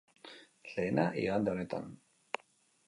Lehena, igande honetan.